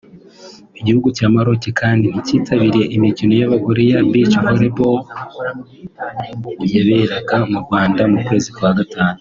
Igihugu cya Maroc kandi nticyitabiriye imikino y’abagore ya Beach volley yaberaga mu Rwanda mu kwezi kwa gatanu